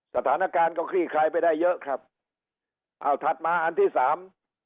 สถานการณ์ก็คลี่คลายไปได้เยอะครับอ้าวถัดมาอันที่สาม